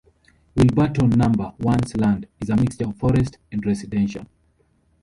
Wilburton Number One's land is a mixture of forest and residential.